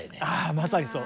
まさにそう。